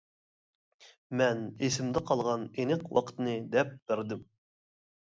مەن ئېسىمدە قالغان ئېنىق ۋاقىتنى دەپ بەردىم.